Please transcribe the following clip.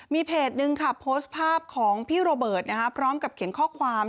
มีเพจนึงค่ะโพสต์ภาพของพี่โรเบิร์ตพร้อมกับเขียนข้อความ